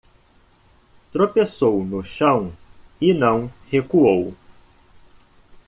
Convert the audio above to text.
Tropeçou no chão e não recuou